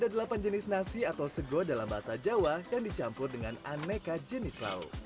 ada delapan jenis nasi atau sego dalam bahasa jawa yang dicampur dengan aneka jenis lauk